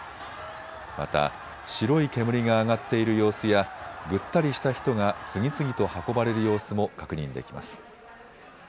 また白い煙が上がっている様子やぐったりした人が次々と運ばれる様子も確認できます。